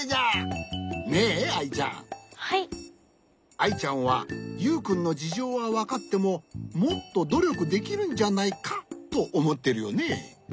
アイちゃんはユウくんのじじょうはわかってももっとどりょくできるんじゃないかとおもってるよね。